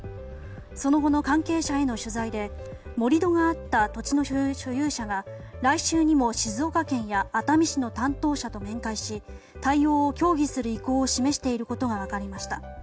その後の関係者への取材で盛り土があった土地の所有者が来週にも静岡県や熱海市の担当者と面会し対応を協議する意向を示していることが分かりました。